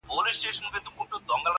څوک به نو څه رنګه اقبا وویني.